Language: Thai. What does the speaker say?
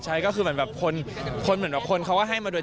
ใช่ก็คือเหมือนแบบคนเขาก็ให้มาด้วย